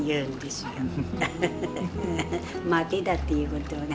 「までだ」っていうことはね